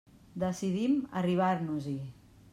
Decidim arribar-nos-hi.